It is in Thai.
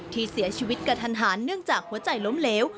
ที่เสียชีวิตกระทันหันเนื่องจากหัวใจล้มเหลว